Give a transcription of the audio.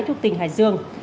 thuộc tỉnh hải dương